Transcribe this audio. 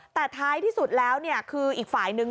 แต่ท้ายที่สุดแล้วคืออีกฝ่ายนึง